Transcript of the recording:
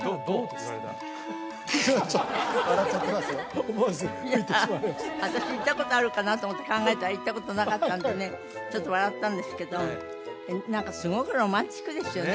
いや私行ったことあるかなと思って考えたら行ったことなかったんでねちょっと笑ったんですけど何かすごくロマンチックですよね